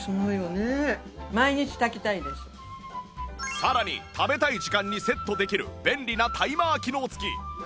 さらに食べたい時間にセットできる便利なタイマー機能付き